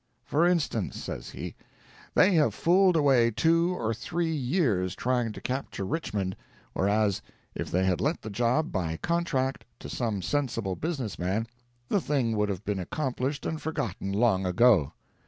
"For instance," says he, "they have fooled away two or three years trying to capture Richmond, whereas if they had let the job by contract to some sensible businessman, the thing would have been accomplished and forgotten long ago."